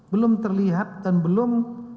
belum terlihat dan belum